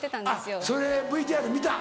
あっそれＶＴＲ見た。